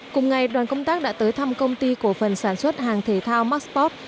cùng ngày đoàn công tác đã tới thăm công ty cổ phần sản xuất hàng thể thao maxport